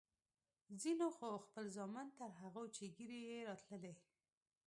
ځينو خو خپل زامن تر هغو چې ږيرې يې راتلې.